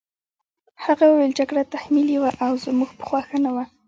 هغه وویل جګړه تحمیلي وه او زموږ په خوښه نه وه